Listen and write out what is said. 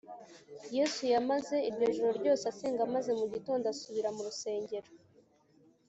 yesu yamaze iryo joro ryose asenga, maze mu gitondo asubira mu rusengero